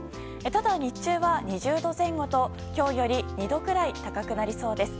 ただ、日中は２０度前後と今日より２度くらい高くなりそうです。